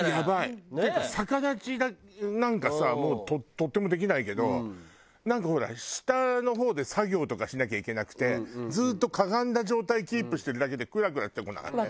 っていうか逆立ちなんかさもうとてもできないけどなんかほら下の方で作業とかしなきゃいけなくてずっとかがんだ状態キープしてるだけでクラクラしてこない？